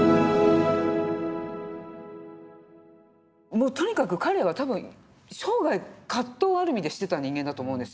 もうとにかく彼は多分生涯葛藤をある意味でしてた人間だと思うんですよ。